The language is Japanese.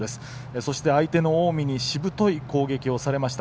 そして相手の近江にしぶとい攻撃をされました。